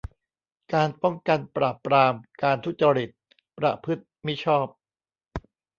การป้องกันปราบปรามการทุจริต ประพฤติมิชอบ